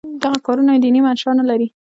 دغه کارونه دیني منشأ نه لري.